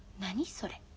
それ。